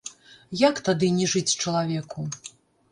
Як тады не жыць чалавеку.